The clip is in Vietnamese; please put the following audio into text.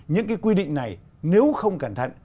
những cái quy định này nếu không cẩn thận